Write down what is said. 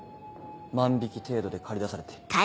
万引程度で駆り出されて。